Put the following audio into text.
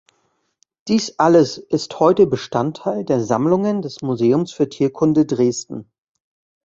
Dies alles ist heute Bestandteil der Sammlungen des Museums für Tierkunde Dresden.